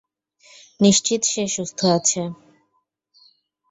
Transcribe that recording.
নিশ্চিত সে সুস্থ আছে।